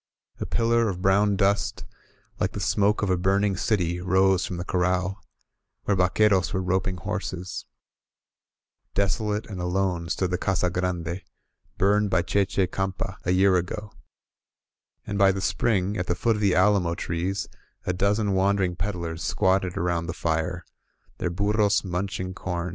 A pillar of brown dust, like the smoke of a burning city, rose from the corral, where vaqtieros were roping horses. Desolate and alone stood the Casa Grande, burned by Che Che Campa a 65 INSURGENT MEXICO year ago. And by the spring, at the foot of the alamo trees, a dozen wandering peddlers squatted around their fire, their burros munching com.